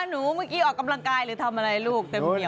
หนูเมื่อกี้ออกกำลังกายหรือทำอะไรลูกเต็มเกียร